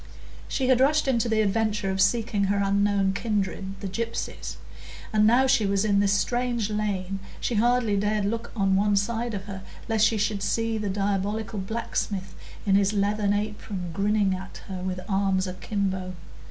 She had rushed into the adventure of seeking her unknown kindred, the gypsies; and now she was in this strange lane, she hardly dared look on one side of her, lest she should see the diabolical blacksmith in his leathern apron grinning at her with arms akimbo.